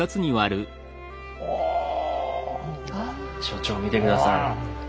所長見て下さい。